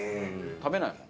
食べないもん。